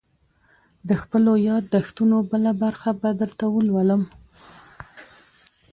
_د خپلو ياد دښتونو بله برخه به درته ولولم.